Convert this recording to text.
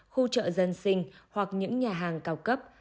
khu chợ dân sinh hoặc những nhà hàng cao cấp